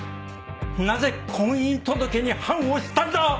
なぜ婚姻届に判を押したんだ